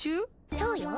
そうよ。